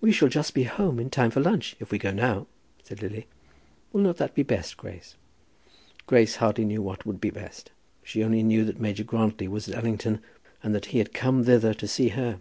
"We shall just be home in time for lunch if we go now," said Lily. "Will not that be best, Grace?" Grace hardly knew what would be best. She only knew that Major Grantly was at Allington, and that he had come thither to see her.